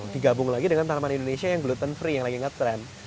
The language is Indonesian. digabung lagi dengan tanaman indonesia yang gluten free yang lagi ngetrend